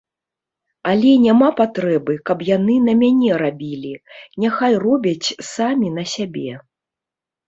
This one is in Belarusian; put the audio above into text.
Але няма патрэбы, каб яны на мяне рабілі, няхай робяць самі на сябе.